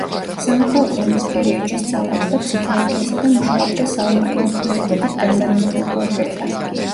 სამოქალაქო ომის პერიოდში სწავლობდა ფსიქოლოგიასა და მუშაობდა საომარი მოქმედებებით დაზარალებულ ბავშვებთან.